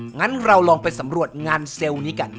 งั้นเราลองไปสำรวจงานเซลล์นี้กัน